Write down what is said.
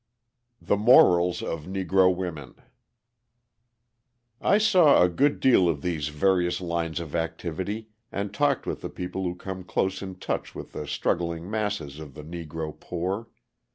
The Morals of Negro Women I saw a good deal of these various lines of activity and talked with the people who come close in touch with the struggling masses of the Negro poor.